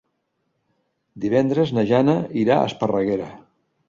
Divendres na Jana irà a Esparreguera.